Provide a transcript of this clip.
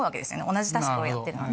同じタスクをやってるので。